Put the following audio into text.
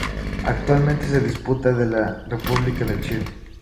Actualmente es diputada de la República de Chile.